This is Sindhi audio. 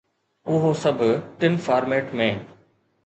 اهو سڀ ٽن فارميٽ ۾